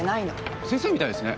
先生みたいですね。